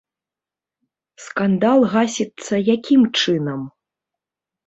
Скандал гасіцца якім чынам?